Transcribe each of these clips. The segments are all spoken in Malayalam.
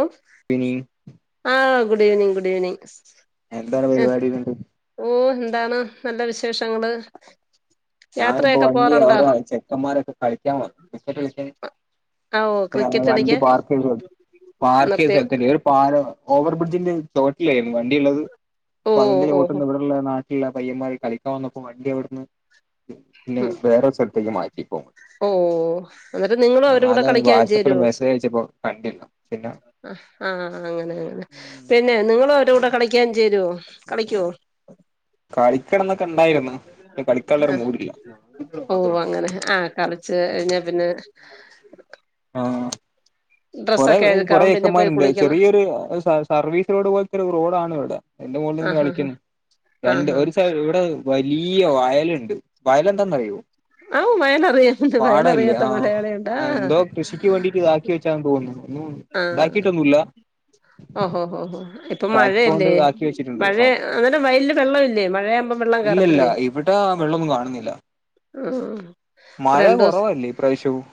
ഏ പിന്നീ ആഹ് ഗുഡ് ഈവനിംഗ് ഗുഡ് ഈവനിംഗ് എന്താണ് പരിപാടിന്നിട്ട് ഓ എന്താണ് നല്ല വിശേഷങ്ങള് ഞാനിപ്പോ യാത്രയൊക്കെ വണ്ടി പോവാറുണ്ടോ അവര ചെക്കന്മാരൊക്കെ കളിക്കാൻ വന്നു ക്രിക്കറ്റ് ആ ഓ കളിക്കാന് ക്രിക്കറ്റ് വണ്ടീ കളിക്കാൻ പാർക്ക് ചെയ്തു പാർക്ക് ചെയ്ത നിർത്തി സ്ഥലത്തിന് ഒരു പാലാ ഓവർ ബ്രിഡ്ജിന്റെ ചോട്ടിലായിരുന്നു വണ്ടി ഇള്ളത് ഓ അപ്പൊ അതിന്റെ ഓ ഓ ചോട്ടിന്ന് ഇവിടെള്ള നാട്ടിലുള്ള പയ്യന്മാര് കളിക്കാ വന്നപ്പൊ വണ്ടി അവിടുന്ന് പിന്നെ ഉം, വേറൊരു സ്ഥലത്തേക്ക് മാറ്റി ഓ എന്നിട്ട് നിങ്ങളും അവരൂടെ കൂടെ അതാ കളിക്കാൻ വാട്സആപ്പിൽ ചേരുമോ? മെസ്സേജ് അയച്ചപ്പോ കണ്ടില്ല പിന്നെ ആ അങ്ങനെ അങ്ങനെ, പിന്നെ നിങ്ങളും അവര്ടെ കൂടെ കളിക്കാൻ ചേരുവോ കളിക്കുവോ? കളിക്കണംന്നൊക്കെ ഇണ്ടായിരുന്ന് പ കളിക്കാൻള്ളരു മൂടില്ല. ഓ അങ്ങനെ ആ കളിച്ച് കഴിഞ്ഞാ പിന്നെ ആ കൊറേ ഡ്രസ്സൊക്കെ അഴുക്കാവും പിന്നെ പോയി കൊറേചെക്കന്മാരുണ്ട് കുളിക്കണം ചെറിയൊരു സ സർവീസ് റോഡ് പോൽത്തെ ഒരു റോ റോഡാണിവിടെ ഐന്റെ മുകളിലിങ്ങനെ ആഹാ ഹാ കളിക്കുന്നു രണ്ട് ആഹാ ആ ഒരു സൈഡിവിടെ വൈ ഈ വയലിൽ ആ വയലറിയാണ്ട് പാടല്ലേ വയലറിയാത്ത ആഹ് മലയാളിയുണ്ടോ? എന്തോ ഉം താക്കീട്ടൊന്നും ഇല്ല? ഓ ഹോ ഹോ ഹോ ഇപ്പൊ ട്രാക്ടറോണ്ട് മഴയല്ലേ ആക്കി വെച്ചിട്ടുണ്ട് മഴ ആ അന്നേരം വയലില് വെള്ളമില്ലേ മഴയാകുമ്പം വെള്ളം ഇല്ലില്ല കേറത്തില്ലേ ഇവിടെ വെള്ളൊന്നും കാണുന്നില്ല ആഹ് മഴ രണ്ടു ദിവസം കൊറവല്ലേ ഇപ്രാവശ്യവും,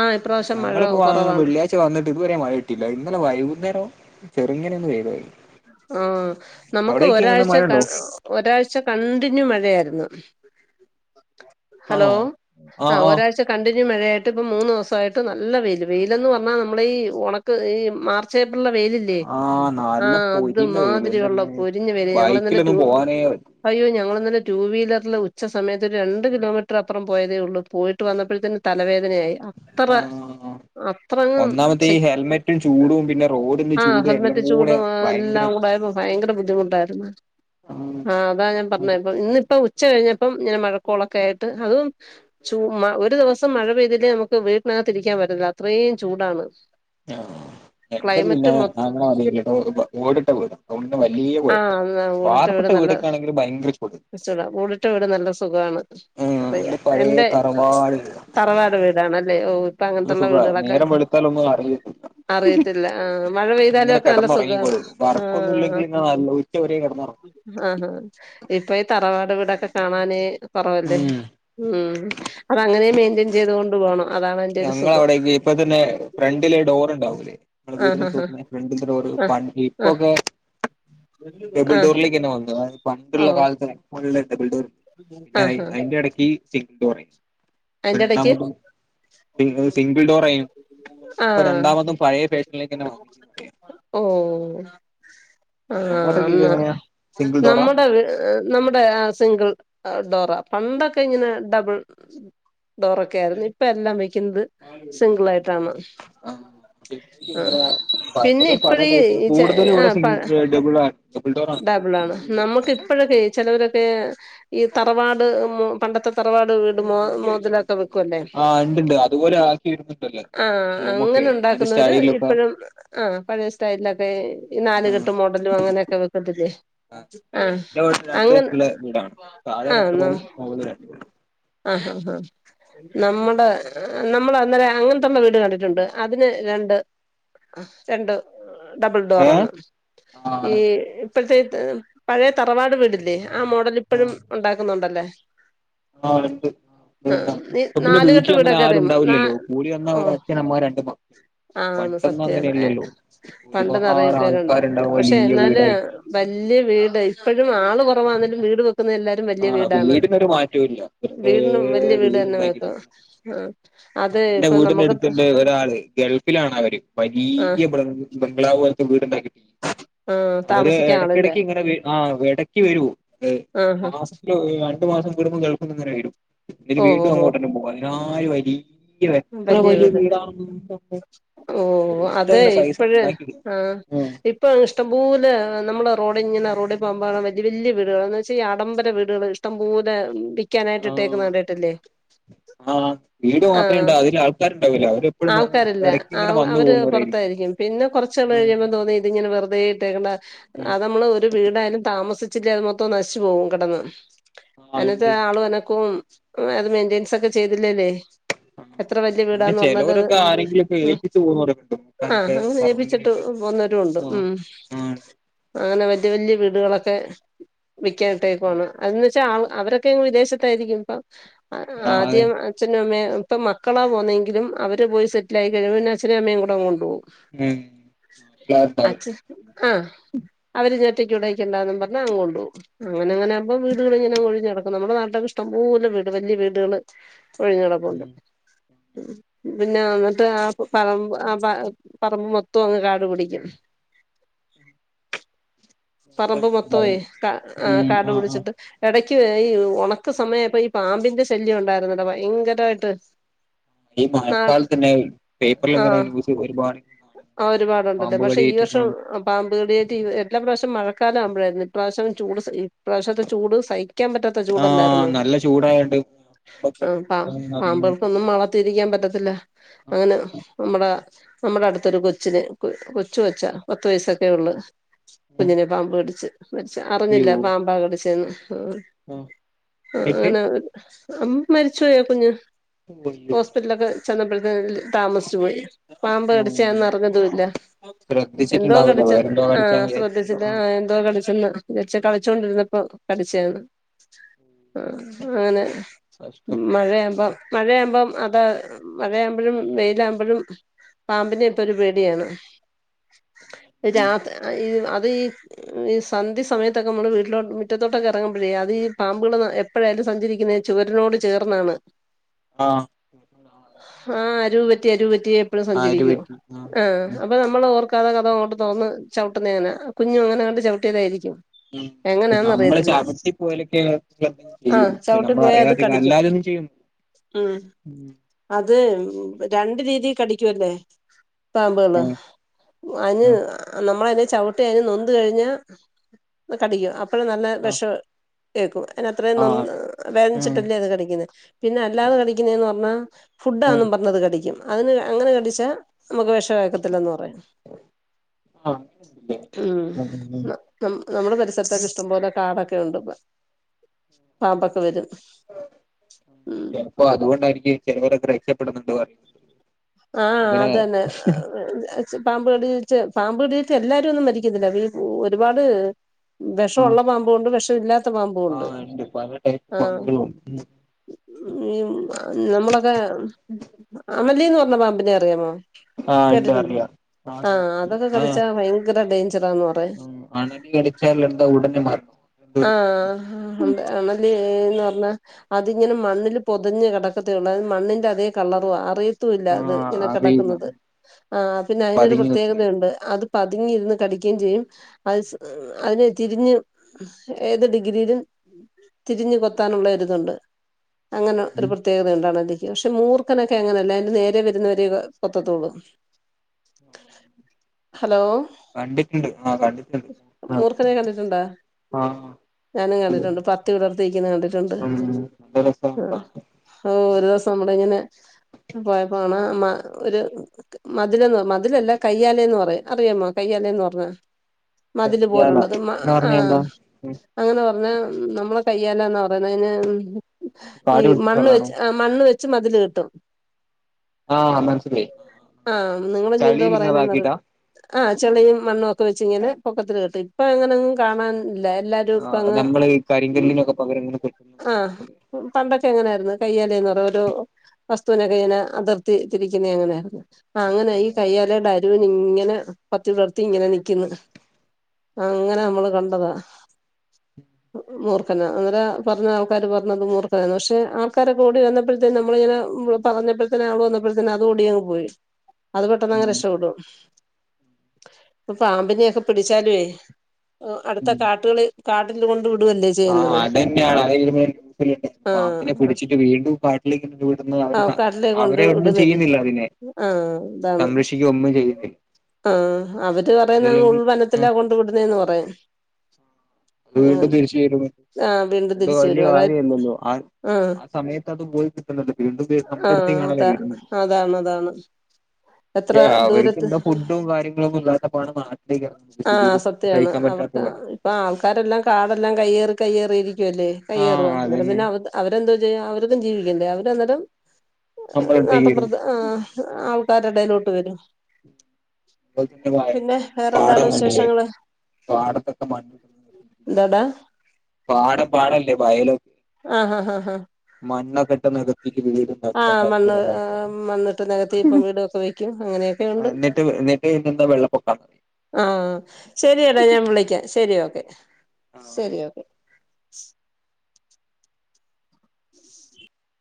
ആഹ് ഇപ്രാവശ്യം മഴ ഞങ്ങളിപ്പോ കുറവാണ് വെള്ളിയാഴ്ച വന്നിട്ട് ഇതുവരെ മഴ കിട്ടില്ല ഇന്നലെ വൈകുന്നേരം ചെറുങ്ങനെ ഒന്ന് പെയ്തുപോയി. ആ നമുക്ക് ഒരാഴ്ച മഴയുണ്ടോ ക ഒരാഴ്ച കണ്ടിന്യു മഴയാരുന്നു. ഹലോ ആണോ ആ ആഹ് ആഹ് ഒരാഴ്ച കണ്ടി ന്യു മഴയായിട്ട് ഇപ്പ മൂന്ന് ദിവസായിട്ട് നല്ല വെയില് വെയിലെന്ന് പറഞ്ഞാ നമ്മടെയീ ഉണക്ക്‌ ഈ മാർച്ചേ ള്ള വെയിലില്ലേ? ആഹ് ആ നാലിലെ അത് പൊരിന്റെ വെയില് മാതിരി ഉള്ള എന്റമ്മോ പൊരിഞ്ഞ വെയില് ഞങ്ങളിന്നലെ ടൂ, ബൈക്കിലൊന്നും പോവാനേ അയ്യോ ഞങ്ങളിന്നലെ ടൂവീലറില് ഉച്ച സമയത്ത് ഒരു രണ്ട് കിലോമീറ്റർ അപ്പുറം പോയതേ ഒള്ളൂ പോയിട്ട് വന്നപ്പഴത്തെന് തലവേദ ആ അത്രങ്ങും ഒന്നാമതെ ഈ ശക് ഹെൽമെറ്റും ചൂടും പിന്നെ റോഡിന്റെ ചൂടും എല്ലാം കൂടെ ടും അ ഭയങ്കര എല്ലാം കുടെയായപ്പോ ഭയങ്കര ബുദ്ധിമുട്ടാരുന്നു ആഹ് ആ അതാ ഞാൻ പറഞ്ഞെ അതെ പ്പ ഇന്നിപ്പ ഉച്ച കഴിഞ്ഞപ്പം ഇങ്ങനെ മഴക്കോളൊക്കെ ആയിട്ട് അതും ചൂ ഒരു ദിവസം മഴ പെയ്തില്ലേ നമ്മക്ക് വീട്ടിനകത്ത് ഇരിക്കാൻ പറ്റില്ല അത്രേം ചൂടാണ്. ആ എന്റെത് ക്ലൈമറ്റ് പിന്നെ മൊത്ത അങ്ങനെ മതില്ലട്ടോ പൊ ഓടിട്ട വീടാ വലിയ ആ കുഴപ്പല്ല ന്ന ഓടിട്ട വീട് വാർപ്പിട്ട നല്ല വീടൊക്കാണെങ്കിൽ ഭയങ്കര ചൂട് ചൂടാ ഓടിട്ട വീട് നല്ല സുഖമാണ്, ആഹ് നല്ല അറിയാം പഴയ എന്റെ തറവാട് വീടാ തറവാട് വീടാണല് ല്ലെ അ് നല്ല ഇപ്പങ്ങൻത്തെള്ള സുഖാ വീടുകളൊക്കെ നേരം വെളുത്താലൊന്നും അറിയില്ല അറിയത്തില്ല ആ മഴ ഇങ്ങനെ പെയ്താലൊക്കെ നല്ല സുഖാണ് കിടന്നുറങ്ങിക്കോളും ആ വർക്കൊന്നും ഇല്ലെങ്കിൽ ഇങ്ങനെ നല്ല ഉച്ച വരെ കിടന്നുറങ്ങും ആ ആ ഇപ്പൊ ഈ തറവാ ട് വീടൊക്കെ കാണാന് കൊറവല്ലേ ഉം ഉം അത് അങ്ങനെ മെയിന്റെയിൻ ചെയ്തൊണ്ട് പോണം. അതാണ് അയിന്റെ ഒരു സുഖം ഞങ്ങളവടെ വി ഇപ്പ തന്നെ ഫ്രണ്ടില് ഡോറ്ണ്ടാവൂല്ലേ നമ്മെ വീടിനെ ആഹ് തോക്കുന്ന ഫ്രണ്ടിലത്തെ ഡോർ ആഹ് ആഹ് ഇപ്പൊക്കെ ഡബിൾ ആഹ് ഡോറിലേക്ക്ന്നെ വന്നത് പണ്ടുള്ള ആഹ് ഓഹ് കാലത്തില ഡബിൾ ഡോർ പിന്നെ അതിന്റെ ഇടയ്ക്ക് ഡോറായി അതിന്റെ ഇടയ്ക്ക് സ സിംഗിൾ ഡോറ ആും ഇപ്പൊ ആഹ് രണ്ടാമത്തും പഴയ ഫേഷനിലേക്ക്ന്നെ വാങ്ങിക്ക ആ എന്നാ ഡോറാ നമ്മുടെ നമ്മുടെ സിംഗിൾ ഡോറ പണ്ടൊക്കെ ഇങ്ങനെ ഡബിൾ ഡോറൊക്കെ ആയിരുന്നു ഇപ്പ എല്ലാം വക്കുന്നത് സിംഗിൾായിട്ട് ആ ആഹ് പിന്നെ പലതും പല ഇപ്പഴീ ടൈപ്പ കൂടുതലും ഇവിടെ സിംഗി ഡബിൾണ് ഡബിൾ ആണ് നമ്മുക്ക് ഇപ്പഴൊ ചിലവരൊക്കെ ഈ തറവാട് പണ്ടത്തെ തറവാട് വീട് മോ മോതിലൊ വെക്കല്ലേ ആ ഉണ്ടുണ്ട് അതുപോലെ ആക്കി വരുന്നുണ്ടല്ലോ ആ റൂമൊക്കെ അങ്ങനെ അതിന്റെ ഉണ്ടാക്കുന്നവര് സ്റ്റൈലൊക്കെ ഇപ്പഴും ആ പഴയ സ്റ്റൈലിലൊക്കെ നാലുകെട്ട് മോഡലും അങ്ങനെയൊക്കെ പല്ലേ ആ ആഹ എന്റെ വീട് രണ്ട് അങ്ങനെ കെട്ടുള്ള വീടാണ് താഴെ ആഹ രണ്ട് എന്നാ റൂമും മുകളിൽ രണ്ട് റൂമും ആഹ ആ ആാ നമ്മുടെ നമ്മൾ അന്നേരം അങ്ങനത്തെ വീട് കണ്ടിട്ടുണ്ട് അതിന് രണ്ട് രണ്ട് ഡബിൾ ഏ ഡോറാണ് ആ ഈ ഇപ്പോഴത്തെ പഴയ തറവാട് വീടില്ലേ ആ മോഡൽ ഇപ്പഴും ഉണ്ടാക്കുന്നുണ്ടല്ലേ ആഹ ഉണ്ട് ആഹ് ഈ പിന്നെ നാലുകെട്ട് വീട്ടില അങ്ങനെ വീടൊക്കെ അറിയാമോ നാ ആരുുണ്ടാവില്ലല്ലോ കൂടി വന്നാ ഓ ഒരച്ഛനമ്മ രണ്ട് മക്കള് ആന്ന് പണ്ടൊന്നും സത്യാണ് അങ്ങനെല്ലല്ലോ പണ്ട് നിറയെ ഒരുപാട് പേരുണ്ട് ആൾക്കാരുണ്ടാവും പക്ഷെ വലിയ എന്നാല് വീടായിരിക്കും വല്യ വീട് ഇപ്പഴും ആള് കുറവാണെ ലും വീട് ന്ന എല്ലാരും വലിയ വീടാണ് വീടക്ക വീടിനും വല്യ വീട് തന്നെ വെക്കും ആഹ് അത് എന്റെ ഇപ്പൊ വീടിന്റെ നമുക്ക് അടുത്ത്ന്റെ ഒരാള് ഗൾഫിലാണ് അവര് ആഹ് വലിയ ബംഗ്ളാവ വീട് ഉണ്ടാക്കി ആഹ് അവര് താമസിക്കാൻ ആളില്ല ഇടക്കിടക്ക് ഇങ്ങനെ ആ ഇടക്ക് വരുവോ ഏ ആഹ് മാസത്തില് ഒരു രണ്ടു മാസം കൂടുമ്പം ഗൾഫിന്നി ങ്ങനെ വരും അവരെ ഓഹ് വീണ്ടും ഓഹ് ഓഹ് അങ്ങോട്ടന്നെ പോവാന ആ ആയുവരി വല്യ വീട് ഓ അതെ അങ്ങനെ പൈസ ഇപ്പഴെ ഉണ്ടാക്കിയെടുക്കും ആ ഉം ഇപ്പങ്ങിഷ്ടം പോലെ നമ്മടെ റോഡിങ്ങനെ റോഡി പോകുമ്പം വലിയ വീടുകളെ എന്നു വച്ചാൽ ഈ ആഡംബര വീടുകളെ ഇഷ്ടം പോലെ വിക് ക്കാനായിട്ട് ഇട്ടേക്കുന്ന ആഹ് കണ്ടിട്ടില്ലേ ആഹ് വീട് ആ മാത്രേ ഉണ്ടാവൂ അതില് ആൾക്കാരുണ്ടാവൂല അവരെപ്പോഴും ആൾക്കാരില്ല ഇടയ്ക്ക് ആ ഇങ്ങനെ വന്നു അവര് പൊ പോകുന്നവരായിരിക്കും റത്തായിരിക്കും പിന്നെ കൊറച്ചാളു ആഹ് കഴിയുമ്പം തോന്നി ഇതിങ്ങനെ വെറുതെ ഇട്ടേക്കണ്ട ഉം അതമ്മള് ഒരു വീടായാലും താ താമസിച്ചില്ലേ അതു മൊത്തോം നശിച്ചുപോവും കെടന്ന് ആഹ് അനത്തെ ഉണ്ട് ആളും അനക്കവും ആ അത് മെയിന്റനൻസ് ഒക്കെ ചെയ്തില്ലേലേ ആഹ് എത്ര വലയ പിന്നെ വീടാന്ന് പറഞ്ഞാലുമതെ ചിലവരൊക്കെ ആരെങ്കിലുമൊക്കെ ഏൽപ്പിച്ചു പോകുന്നവരൊക്കെ ഉണ്ട് ആ നോക്കാനൊക്കെ അങ്ങനെ ഏ പ്പിച്ചിട്ട്. സർവന്റിനൊക്കെ പോന്നോരുമുണ്ട് ആഹ് ഉം ആഹ് അങ്ങനെ വല്യ വല്യ വീടുകളൊക് ഒക്കെ വിക്കാനിട്ടേക്കുവാന്നെ അതെന്ന് വെച്ചാൽ അവരൊക്കെങ്ങ് വിദേശത്തായിരിക്കും ഇപ്പം അതെ ആദ്യം അച്ഛനുമമ്മേം ഇപ്പം മക്കളാ പോന്നെങ്കിലും അവര് പോയി സെറ്റിലായി കഴുമ്പം പിന്നെ അച്ഛനേം അമ്മേം കൂടങ്ങു കൊണ്ടു പോം ഉം നാട്ടിലാരുണ്ടാവില്ല അഛ ആ അവര് ജ ഒറ്റക്കിവിടെ നിക്കണ്ടാന്നും പറഞ്ഞങ്ങ് കൊണ്ട് പോവും അങ്ങനങ്ങനാവുമ്പ വീടുകളി ങ്ങനെ ഒഴിഞ്ഞു കിടക്കും നമ്മുടെ നാട്ടിലൊക്കെ ഇഷ്ടം പോലെ വീട് വല്യ വീടുകളെ ഒഴിഞ്ഞു കിടപ്പുണ്ട് ഉം പിന്നെ എന്നിട്ട് ആ പറമ്പ് ആ പറമ്പ് മൊത്തം അങ്ങ് കാട് പിടിക്കും പറമ്പ്മൊത്തമേ ണ്ടാവില്ല. ആ ഉം കാടു ആഹ് ആഹ് പിടിച്ചിട്ട് ഇടയ്ക്ക് നി ഈ ഒണക്കു സമയപ്പൊ ഈ പാമ്പിന്റെ ശല്യം ഉണ്ടായിരുന്നെടാ ഭയങ്കരായിട്ട് ഈ ആ മഴക്കാലത്തന്നെ പേപ്പറിലിങ്ങനെ ന്യൂസ് ഒരുപാട് ആ ഒരുപാടുണ്ടല്ലേ പാമ്പ് പക്ഷെ ഈ കടിയേറ്റ് വർഷം ഉം പാമ്പു കടിയേറ്റ് എല്ലാ പ്രാവശ്യോം മഴക്കാലം ആവുമ്പോഴായിരുന്നു ഇ പ്രാവശ്യം ചൂട് ഇപ്രാവശ്യത്തെ ചൂട് സഹിക് ക്കാൻ പറ്റാത്ത ആഹ് ചൂടല്ലാരുന്നോ നല്ല ചൂടായോണ്ട് പാമ്പൊക്കെ ഉം ആ പാമ്പുകൾക്കൊന്നും മാളത്തിലിരിക്കാൻ പറ്റാത്ത അല്ല അങ്ങനെ നമ്മടെ നമ്മുടെ അടുത്തൊരു കൊച്ചിന് കൊച്ചു കൊച്ചാ പത്ത് വയസൊക്കെ ഉള്ളു കുഞ്ഞിനെ പാമ്പ് കടിച്ച് മരിച്ചെ അറിഞ്ഞില്ല അയ്യോ പാമ്പാ കടിച്ചേന്ന് ആഹ് എന്നിട്ട് അങ്ങനെ മരിച്ച പോയോ ആ കുഞ്ഞെ അയ്യോ ഹോസ്പിറ്റലിലൊക്കെ ചെന്നപ്പേഴത്തിലെ താമസിച്ചു പോയി പാമ്പ് ആഹ് കടിച്ചാന്നർഞ്ഞതുല്ല എന്തോ ശ്രദ്ധിച്ചിട്ടുണ്ടാവൂല കടിച്ച് വേറെന്തോ കടിച്ചാന്ന് വിചാരിച്ചിട്ടുണ്ടാവും ആ ആഹ് എന്ത കളിച്ചച്ച കളിച്ചൊണ്ടിരുന്നപ്പോ കടിച്ചയാണ് അങ്ങനെ കഷ്ടല്ലേ മഴയഅപ്പാം മഴയാുമ്പം അതാ മഴയാുമ്പോഴും വെയിലാുമ്പോഴും പാമ്പിനൊപ്പ ഒരു പേടിയാണ് രാതി അത് ഈ ഈ സന്ധ്യ സമയത്തൊക്കെ നമ്മള് വീട്ടിലോ മുറ്റത്തോട്ടൊക്കെ ഇറങ്ങുമ്പോഴേ അത് ഈ പാമ്പുകൾ എപ്പോഴായാലും സഞ്ചരിക്കുന്നേ ചുവരനോട് ചേർന്നാണ് ആഹ് ആഹ [unintelligible] [unintelligible] എപ്പഴും ആഹ് അയിന് സഞ്ചരിക്കോ പറ്റി ആ അപ്പ നമ്മള് ഓ കഥ കഥങ്ങോട്ട് തോന്ന ചൗട്ടുന്നേന്ന് കുഞ്ഞ് അങ്ങനാണ്ട് പൗട്ട്യതായിരിക്കും. ഉ നമ്മള് ചവിട്ടി പോലൊക്കെ എന്ത ആ ചെയ്യും ചവിട്ടി നമ്മൾ പോയാ അത് അറിയാതെ കടിക്കും അല്ലാതെൊന്നും ചെയ്യില്ല ഇത് രെണ്ട്‌ രീതി കടിക്കുംല്ലേ പാമ്പുകള് അന് ഉം നമ്മള അതിനെ ചവിട്ടി അന് നൊന്തു കഴിഞ്ഞ കടിക്കും അപ്പോൾ നല്ല ആഹ് വിഷം എക് വ അയിന് അത്രയും നൊന് ആഹ് ഉം വേദനിച്ചിട്ടില്ലേ അത് കടിക്കുന്ന പിന്നെ അല്ലാതെ കടിക്കുന്നതെന്ന് പറഞ്ഞാ ഉം ഫുഡആണെന്നും പറഞ്ഞത് കടിക്കുന്ന അതി അങ്ങനെ കടിച്ചാ നമുക്ക് വിഷംഎക്കത്തില്ലന്ന് പറയാം ആഹ് അങ്ങനെണ്ട്ല്ലേ ഉം ഉം നമ്മുടെ പരിസരത്തൊക്കെ ഇഷ്ടംപോലെ കാടൊക്കെ ഉണ്ട് പാമ്പൊക്കെ വരും ഉം ചിലപ്പോ അതുകൊണ്ടായിക്ക് ചിലവരൊക്കെ രക്ഷപെട്ടുന്നുണ്ട് പറ ആ അതന്നെ പാമ്പ് കടിച്ച് പാമ്പ് കിടിട്ട് എല്ലാരും ഒന്നും മരിക്കുന്നില്ല ഒരുപാട് വെഷ ആഹ് ഒള്ള പാമ്പും ഉണ്ട് വെഷം ട്ടും ഇല്ലാ ത്തമോൻ പോവ്ണ്ട് ആഹ് ഉണ്ട് പല ടൈപ്പ് ആ പാമ്പുകളും ഈ അ നമ്മളൊക്കെ അണലി എന്ന് പർ ന്ന പാമ്പിനെ അറിയാമോ ആഹ് ഉണ്ട് കേട്ടിട്ടുണ്ടോ അറിയാം ആ അതൊക്കെ കടിച്ചാ ഭയങ്കര ഡൈൻ ആ അണലി കടിച്ചാൽ എന്താ ഉടനെ മര ആ ഉണ്ട് അണലിയെ ഹ് ന്ന് പറഞ്ഞാ അതിങ്ങനെ മണ്ണില് പൊതഞ്ഞ് കിടക്കത്തേ ഒള്ളു മണ്ണിന്റെ അതേ കളറുവാ അറി ത്തു ഇല്ല അത് ആഹ് ഇങ്ങനെ അറിയില്ല കെടക്കുന്നത് ആ പിന്നെ അതിനൊരു പതുങ്ങി നിക്കുന്നെ പ്രത്യേകതയുണ്ട് അത് പതുങ്ങി ഇരുന്ന് കടിക്കെ ചെയ്യും അയ്സ് അതിനെ തിരിഞ്ഞ് ഏത് ഡിഗ്രിയിലും തിരിഞ്ഞു കൊത്താനുള്ളരു ഇത്ണ്ട് അങ്ങനെ ഉം ഒരു പ്രത്യേകത ഇണ്ട് അണലി പക്ഷെ മൂർഖനൊക്കെ അങ്ങനെ അല്ല അതിന്റെ നേരെ വരുന്നവരെ കൊത്തത്തോള്ളു ഹലോ കണ്ടിട്ടുണ്ട് ആഹ് കണ്ടിട്ടുണ്ട് ആഹ് മൂർഖനെ കണ്ടിട്ടുണ്ടോ ആഹ് ഞാനും കണ്ടിട്ടുണ്ട് പത്തി വിടർത്തി നിക്കിന്നെ കണ്ടിട്ടുണ്ട് ഉം നല്ല രസാണ് കാണാൻ ആ ഒരു ദിവസം നമ്മൾ ഇങ്ങനെ പോയപ്പ അണ മ ഒര് മതിലെന്ന് മതിലല്ല കയ്യാലേന്ന് പറയും അറിയാമോ കയ്യാലേന്ന് പർഞ്ഞാ മതില് കയ്യാല പോലുള്ളത് മ എന്ന് ആ പറഞ്ഞ എന്താ അങ്ങനെ പർഞ്ഞാ നമ്മൾ കയ്യാലാന്നാ പറയുന്നെ അതിന് ഈ കാട് പിടിച്ച മണ്ണ് സ്ഥലാണോ വെച്ച് അ മണ്ണ് വെ ച്ച് മതില് കെട്ടും ആ മനസ്സിലയി ആഹ് ചളിയിലിങ്ങനെ താക്കീട്ടാ ആ ചെളിയും മണ്ണും ഒക്കെ വെച്ചിങ്ങനെ പൊക്കത്തില് കെട്ടും ഇപ്പ അങ്ങനെയൊന്നും കാണാൻ ഇല്ല എല്ലാരും ആഹ് ഇപ്പങ്ങ് നമ്മള് ഈ കരിങ്കല്ലിനൊക്കെ പകരം ഇങ്ങനെ കെട്ടുന്ന ആ പണ്ടൊക്കെ അങ്ങനായ്രുന്നു കയ്യാലേന്ന് പറയും ഒരു വസ്തുവിനൊക്കെ ഇങ്ങനെ അതിർത്തി തിരിക്കിന്നെ അങ്ങനെ ആർന്നു ആ അങ്ങന ഈ കയ്യാലെടെ അരുവിന് ഇങ്ങനെ പത്തിവിടർത്തി ഇങ്ങനെ നിക്കിന്ന് അങ്ങനെ നമ്മൾ കണ്ടതാ മൂർഖനാ അന്നേര പറഞ്ഞ ആൾക്കാര് പറഞ്ഞു അത് മൂർഖനാന്ന് പക്ഷെ ആൾക്കാരൊക്കെ ഓടി വന്നൾപ്പഴ്ത്തേനും നമ്മളിങ്ങനെ ഉ പറഞ്ഞഴ്പ്പത്തേനെ ആള് വന്നൾപ്പഴ്ത്തേന് അത് ഓടി അങ്ങ് പോയി അത് പെട്ടെന്നങ്ങ് ഉം രക്ഷപ്പെടും പ്പ പാമ്പിനെയൊക്കെ പിടിച്ചാലുവെ എ് അട് ത്തെ ഉം കാട്ടുകളി കാട്ടിൽ കൊണ്ട് വി ഇടുവല്ലേ ആഹ് ചെയ്യ്ന്നത് അതന്നെയാണ് അത് ആ പാമ്പിനെ പിടിച്ചിട്ട് വീണ്ടും കാട്ടിലേക്ക് വിടുന്നത് ആ അവര് കാട്ടിലേ കൊണ്ട് അവരൊന്നും വിടുന്നത് ചെയ്യുന്നില്ല അതിനെ ആ ഇതാണ് സംരക്ഷിക്കുക ഒന്നും ചെയ്യുന്നില്ല ആ അവര് പറയുന്നെ അങ്ങ് ഒന്നുല്ലെങ്കിൽ ഉൾവനത്തിലാ ആഹ് കൊണ്ട് വിടുന്നേന്ന് പറയും അത് വീണ്ടും തിരിച്ചു വരും ആഹ് വീണ്ടും അത് തിരിച്ചു വല്യ വരും അതായത് കാര്യല്ലല്ലോ അ ആഹ് ആ സമയത്ത് അത് പോയി കിട്ടുന്നുണ്ട് വീണ്ടും വീണ്ടും ആഹ് നമ്മെടുത്തേക്ക് ആണല്ലോ അതാ വെരുന്നത് അതാണ് അതാണ് എത്ര അവർക്ക് ദൂരത്ത് എന്തോ ഫുഡും കാര്യങ്ങളൊന്നും ഇല്ലാത്തപ്പാണ് നാട്ടിലേക്ക് ആഹ് [unintelligible] സത്യാണ് സഹിക്കാൻ പറ്റാത്ത അവർക്ക് പാടെ ഇപ്പൊ ആൾക്കാരെല്ലാം കാടെല്ലാം കയ്യേറി കയ്യേറിയിരി ക്കുവല്ലേ കയ്യേറുവ ആഹ് അന്നരംപിന്നെ അതന്നെ പിന്നെ അവത് അവരെന്തോ ന്തെ അവരൊന്നും ജീവിക്കണ്ടേ അവര് അന്നരം നമ്മള അടുത്തേക്ക് വരും നാട്ടമ്പ്രത്ത് ആഹ് ആൾ ആര് എടയിലോട്ട് വരും പിന്നെ [unintelligible] വേറെന്താണ് പാടം കണ്ടില്ലേ വിശേഷങ്ങള് പാടത്തെ [unintelligible] എന്താടാ പാടം പാടല്ലേ വയലൊക്കെ ആഹ് ആഹ് ആഹ് ആഹ് മണ്ണൊക്കെ നികത്തിട്ട് ആഹ് വീട്ണ്ടാക്ക മണ്ണ് മണ്ണിട്ട് നികത്തി ഇപ്പം [unintelligible] വീടൊക്കെ വെക്കും അങ്ങനെയൊക്കെയുണ്ട് എന്നിട്ട് എന്നിട്ട് എന്താ വെള്ളപ്പൊക്ക ആഹ് ശരിയെടാ ഞാൻ വിളിക്കാം ശരി ഓക്കെ ശരി ഓക്കെ